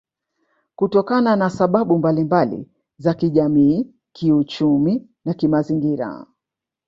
Kutokana na sababu mbalimba za kijamii kiuchumi na kimazingira